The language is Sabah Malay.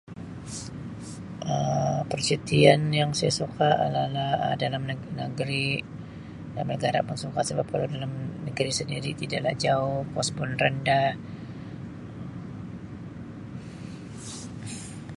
Um Percutian yang saya suka adalah dalam ne-negeri [unintelligible] sebab kalau dalam negeri sendiri tidaklah jauh, kos pun rendah.